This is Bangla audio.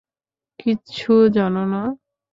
কিচ্ছু জানো না।